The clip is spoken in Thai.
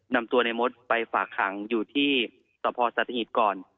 นำตัวในมดไปฝากขังอยู่ที่สพสัตหิตก่อน